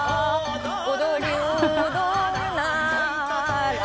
踊り踊るなら。